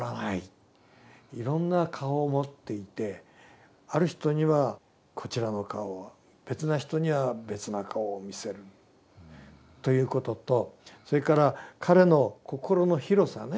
いろんな顔を持っていてある人にはこちらの顔を別な人には別な顔を見せるということとそれから彼のこころの広さね。